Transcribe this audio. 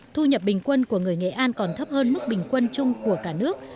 thu nhập bình quân của người nghệ an còn thấp hơn mức bình quân chung của cả nước